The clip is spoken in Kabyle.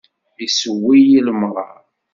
Issew-iyi lemṛaṛ.